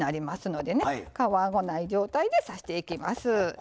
皮がない状態で刺していきます。